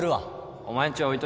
お前んち置いといて